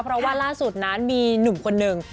เพราะว่าล่าสุดนั้นมีหนุ่มคนหนึ่ง